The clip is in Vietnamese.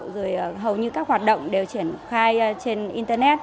rồi hầu như các hoạt động đều triển khai trên internet